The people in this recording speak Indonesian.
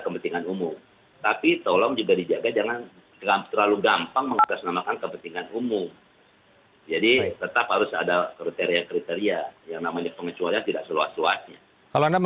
kepentingan umum tapi tolong